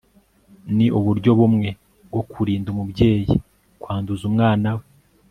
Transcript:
Ni uburyo bumwe bwo kurinda umubyeyi kwanduza umwana we